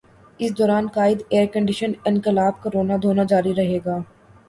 اس دوران قائد ائیرکنڈیشنڈ انقلاب کا رونا دھونا جاری رہے گا۔